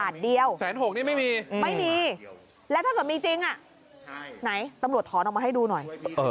๑๖๐๐นี่ไม่มีไม่มีแล้วถ้าเกิดมีจริงไหนตำรวจถอนออกมาให้ดูหน่อย